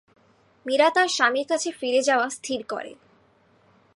মীরা তার স্বামীর কাছে ফিরে যাওয়া স্থির করে।